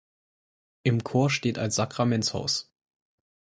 Im Chor steht ein Sakramentshaus.